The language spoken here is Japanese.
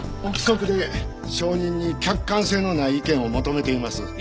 臆測で証人に客観性のない意見を求めています。